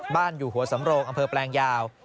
อยู่หัวสำโรงอำเภอแปลงยาว